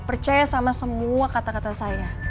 percaya sama semua kata kata saya